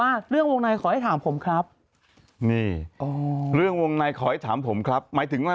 อะไรส็ตแตมว่าเป็นสาวสักหน่อย